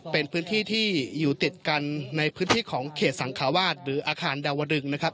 เป็นพื้นที่ที่อยู่ติดกันในพื้นที่ของเขตสังคาวาสหรืออาคารดาวดึงนะครับ